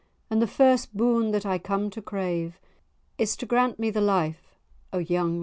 And the first boon that I come to crave, Is to grant me the life of young Logie."